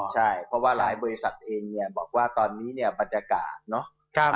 ใช่เพราะว่าหลายบริษัทเองเนี่ยบอกว่าตอนนี้เนี่ยบรรยากาศเนาะ